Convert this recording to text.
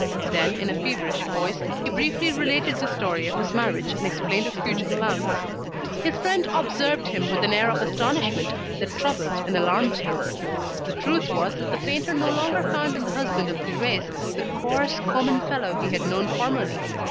Then, in a feverish voice, he briefly related the story of his marriage, and explained his future plans. His friend observed him with an air of astonishment that troubled and alarmed him. The truth was that the painter no longer found in the husband of Thérèse, the coarse, common fellow he had known formerly.